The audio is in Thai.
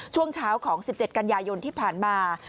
ช่วงเช้าของ๑๗กันยายนที่ผ่านมา